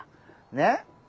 ねっ？